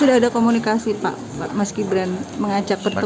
sudah ada komunikasi pak mas gibran mengajak pertemuan